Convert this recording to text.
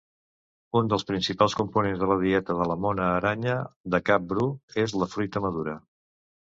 Un dels principals components de la dieta de la mona aranya de cap bru és la fruita madura.